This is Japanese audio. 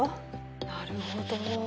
なるほど。